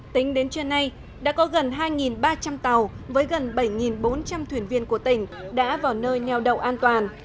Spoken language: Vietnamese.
tính đến trưa nay đã có gần hai ba trăm linh tàu với gần bảy bốn trăm linh thuyền viên của tỉnh đã vào nơi neo đậu an toàn